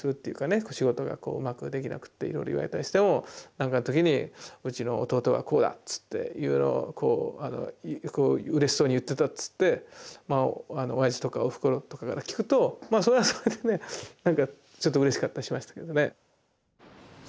仕事がうまくできなくていろいろ言われたりしても何かのときにうちの弟はこうだっつっていろいろこううれしそうに言ってたっつっておやじとかおふくろとかから聞くとまあそれはそれでねなんかちょっとうれしかったりしましたけどね。